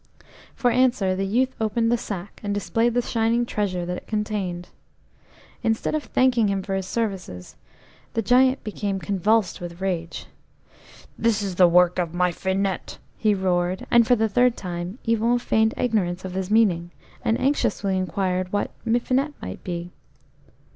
For answer the youth opened the sack, and displayed the shining treasure that it contained. Instead of thanking him for his services, the Giant became convulsed with rage. "This is the work of my Finette!" he roared, and for the third time Yvon feigned ignorance of his meaning, and anxiously inquired what "Mifinet" might be.